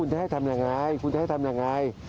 แล้วคุณจะให้ทำยังไง